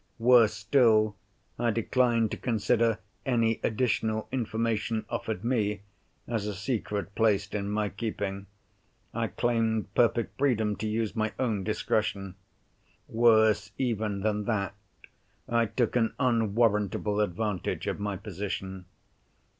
Worse still, I declined to consider any additional information offered me, as a secret placed in my keeping: I claimed perfect freedom to use my own discretion. Worse even than that, I took an unwarrantable advantage of my position.